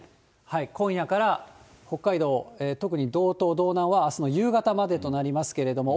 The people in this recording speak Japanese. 今夜から北海道、特に道東、道南はあすの夕方までとなりますけれども、